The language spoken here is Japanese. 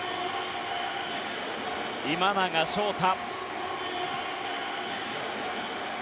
今永昇太。